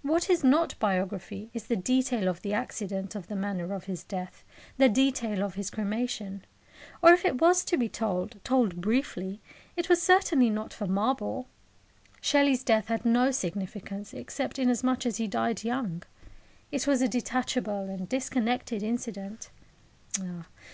What is not biography is the detail of the accident of the manner of his death, the detail of his cremation. Or if it was to be told told briefly it was certainly not for marble. Shelley's death had no significance, except inasmuch as he died young. It was a detachable and disconnected incident.